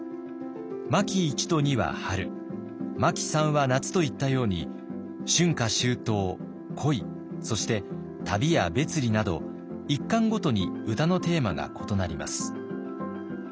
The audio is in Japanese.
巻一と二は春巻三は夏といったように春夏秋冬恋そして旅や別離など１巻ごとに歌のテーマが異なります。